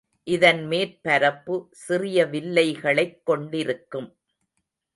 இதன் மேற்பரப்பு சிறிய வில்லைகளைக் கொண்டிருக்கும்.